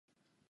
北海道旭川市